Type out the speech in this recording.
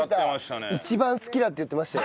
一番好きだって言ってましたよ。